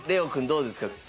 ＬＥＯくんどうですか？